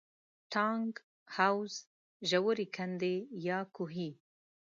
ټانک، حوض، ژورې کندې یا کوهي.